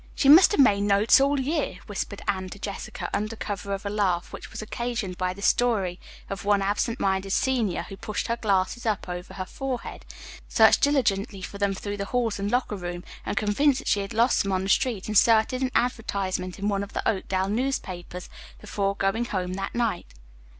"She must have made notes all year," whispered Anne to Jessica under cover of a laugh which was occasioned by the story of one absentminded senior who pushed her glasses up over her forehead, searched diligently for them through the halls and locker room, and, convinced that she had lost them on the street, inserted an advertisement in one of the Oakdale newspapers before going home that night.